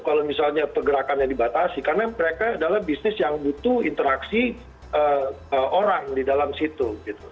kalau misalnya pergerakannya dibatasi karena mereka adalah bisnis yang butuh interaksi orang di dalam situ